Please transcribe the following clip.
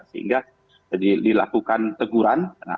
sehingga dilakukan teguran